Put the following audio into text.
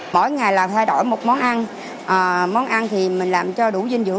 mỗi ngày là thay đổi một món ăn món ăn thì mình làm cho đủ dinh dưỡng